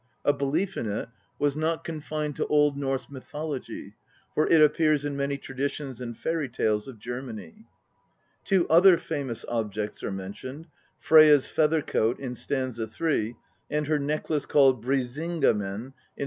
A belief in it was not con fined to Old Norse mythology, for it appears in many traditions and fairy tales of Germany. Two other famous objects are mentioned Freyja's feather coat in st. 3, and her necklace called Brisinga men in st.